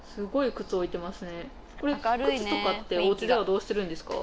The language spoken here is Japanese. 靴とかってお家ではどうしてるんですか？